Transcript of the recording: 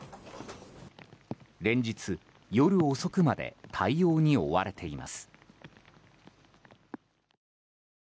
連日、夜遅くまで対応に追われています。